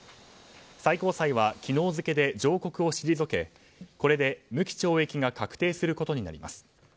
最高裁は昨日付で上告を退けこれで無期懲役が確定することになります。